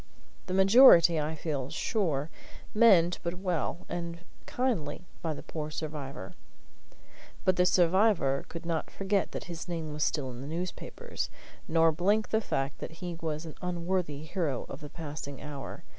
The majority, I feel sure, meant but well and kindly by the poor survivor. But the survivor could not forget that his name was still in the newspapers, nor blink the fact that he was an unworthy hero of the passing hour.